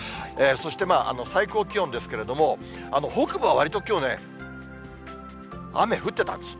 そして、最高気温ですけれども、北部はわりときょうね、雨降ってたんです。